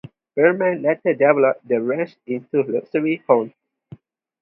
Berman later developed the ranch into luxury homes.